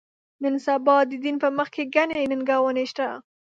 نن سبا د دین په مخ کې ګڼې ننګونې شته.